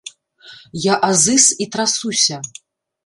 Я азыз і трасуся.